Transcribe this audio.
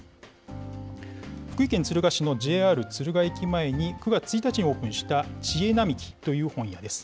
福井県敦賀市のＪＲ敦賀駅前に９月１日にオープンしたちえなみきという本屋です。